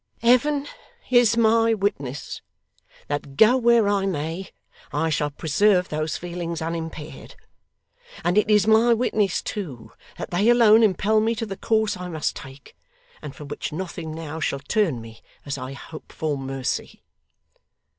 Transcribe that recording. Heaven is my witness that go where I may, I shall preserve those feelings unimpaired. And it is my witness, too, that they alone impel me to the course I must take, and from which nothing now shall turn me, as I hope for mercy.